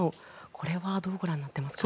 これはどうご覧になっていますか？